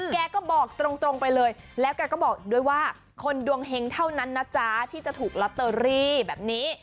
แกก็บอกตรงไปเลยแล้วแกก็บอกอีกด้วยว่าคนดวงเฮงเท่านั้นนะจ๊ะที่จะถูกลอตเตอรี่แบบนี้